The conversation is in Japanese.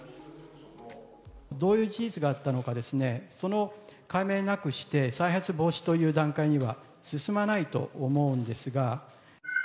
どういう事実があったのかですね、その解明なくして再発防止という段階には進まないと思うんですが。